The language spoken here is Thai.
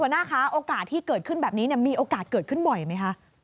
หน้าคะโอกาสที่เกิดขึ้นแบบนี้มีโอกาสเกิดขึ้นบ่อยไหมคะ